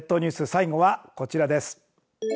最後はこちらです。